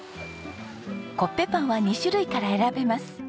コッペパンは２種類から選べます。